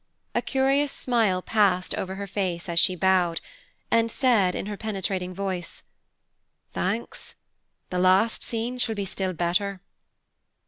A curious smile passed over her face as she bowed, and said in her penetrating voice, "Thanks. The last scene shall be still better."